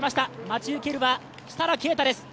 待ち受けるは設楽啓太です。